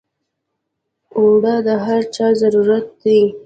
اوړه د هر چا ضرورت دی